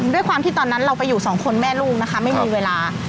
ด้วยความที่ตอนนั้นเราไปอยู่สองคนแม่ลูกนะคะไม่มีเวลา